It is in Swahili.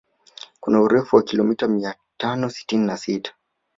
Kuna urefu wa kilomita mia tano sitini na sita